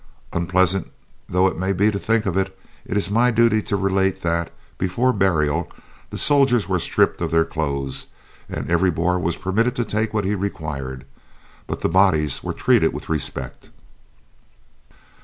Unpleasant though it may be to think of, it is my duty to relate that, before burial, the soldiers were stripped of their clothes, and every Boer permitted to take what he required, but the bodies were treated with respect.